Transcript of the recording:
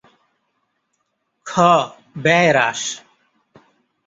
খ. ব্যয় হ্রাস